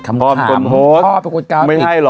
น่ารักจะตาย